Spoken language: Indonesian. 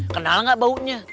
kenal gak baunya